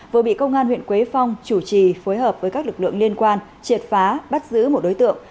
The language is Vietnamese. vừa bị công an huyện quế phong chủ trì phối hợp với các lực lượng liên quan triệt phá bắt giữ một đối tượng